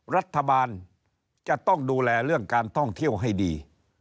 รัฐบาลจะต้องดูแลเรื่องการท่องเที่ยวให้ดี